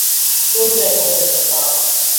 কই যাই প্রত্যেক সপ্তাহ?